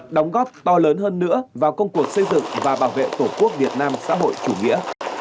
đóng góp to lớn hơn nữa vào công cuộc xây dựng và bảo vệ tổ quốc việt nam xã hội chủ nghĩa